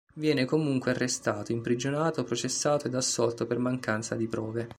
Viene comunque arrestato, imprigionato, processato ed assolto per mancanza di prove.